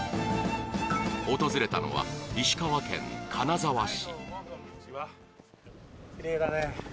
訪れたのは、石川県金沢市。